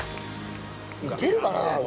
いけるかな？